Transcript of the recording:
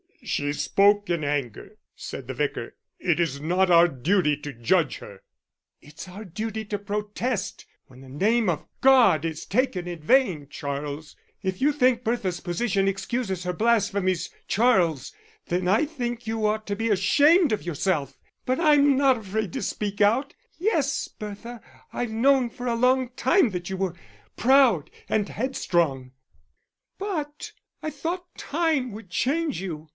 "She spoke in anger," said the Vicar. "It is not our duty to judge her." "It's our duty to protest when the name of God is taken in vain, Charles. If you think Bertha's position excuses her blasphemies, Charles, then I think you ought to be ashamed of yourself.... But I'm not afraid to speak out. Yes, Bertha, I've known for a long time that you were proud and headstrong, but I thought time would change you.